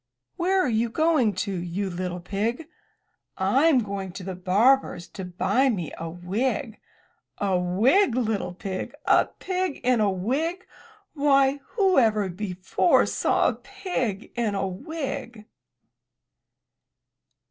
* Where are you going to, you little pig?" "Fm going to the barber's to buy me a wig!" ''A wig, little pig! A pig in a wig! Why, whoever before saw a pig in a wig!"